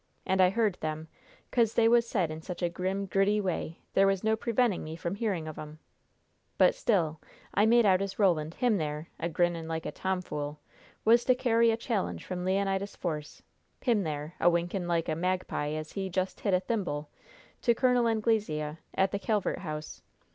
And I heard them, 'cause they was said in such a grim, gritty way there was no preventing me from hearing of 'em. But, still, I made out as Roland him there, a grinning like a tomfool was to carry a challenge from Leonidas Force him there, a winking like a magpie as has just hid a thimble to Col. Anglesea, at the Calvert House.